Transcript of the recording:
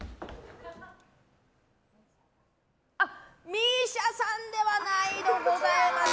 ＭＩＳＩＡさんではないでございます。